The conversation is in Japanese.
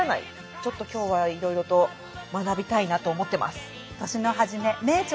ちょっと今日はいろいろと学びたいなと思ってます。